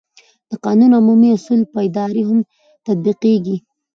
د قانون عمومي اصول پر ادارې هم تطبیقېږي.